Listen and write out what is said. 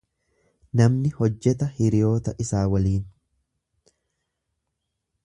Namni hojjeta hiriyoota isaa waliin.